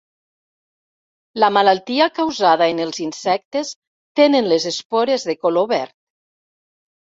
La malaltia causada en els insectes tenen les espores de color verd.